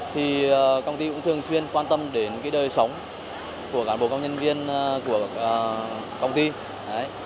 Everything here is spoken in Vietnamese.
thì công ty cũng thường xuyên quan tâm đến đời sống của cán bộ công nhân viên của công ty